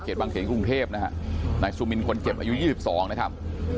เกียรติวังเกียรติกรุงเทพฯนะครับนายซุมินคนเจ็บอายุ๒๒นะครับ